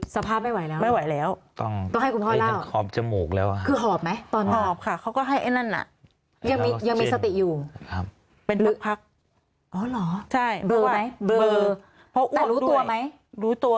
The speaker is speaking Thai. สภาพไม่ไหวแล้ว